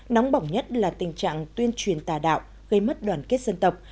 nóng bỏng nhất là tình trạng tuyên truyền tà đạo gây mất đoàn kết dân tộc